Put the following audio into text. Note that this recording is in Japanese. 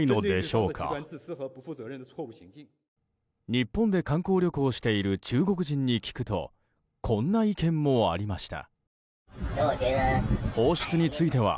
日本で観光旅行している中国人に聞くとこんな意見もありました。